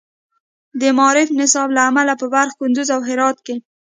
د معارف نصاب له امله په بلخ، کندز، او هرات کې